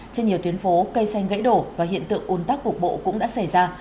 trên nhiều tuyến phố cây xanh gãy đổ và hiện tượng ồn tắc cục bộ cũng đã xảy ra